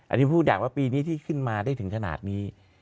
อันนี้พูดอย่างว่าปีนี้ที่ขึ้นมาได้ถึงขนาดนี้